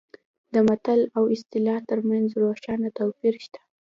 د متل او اصطلاح ترمنځ روښانه توپیر شته